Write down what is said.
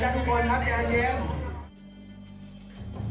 ใจเย็นครับใจเย็นละทุกคนครับเย็น